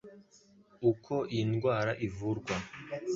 Uko iyi ndwara ivurwa